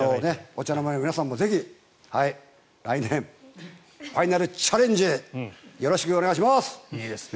お茶の間の皆さんもぜひ来年ファイナルチャレンジへよろしくお願いします。